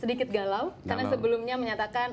sedikit galau karena sebelumnya menyatakan